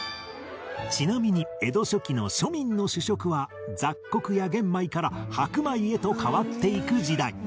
ちなみに江戸初期の庶民の主食は雑穀や玄米から白米へと変わっていく時代